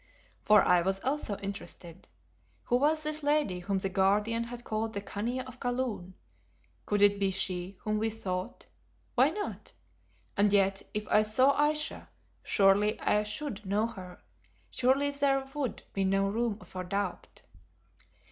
For I was also interested. Who was this lady whom the Guardian had called the Khania of Kaloon? Could it be she whom we sought? Why not? And yet if I saw Ayesha, surely I should know her, surely there would be no room for doubt.